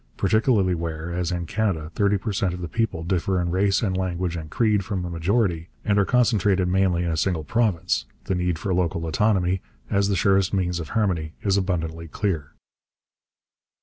Particularly where, as in Canada, thirty per cent of the people differ in race and language and creed from the majority, and are concentrated mainly in a single province, the need for local autonomy as the surest means of harmony is abundantly clear.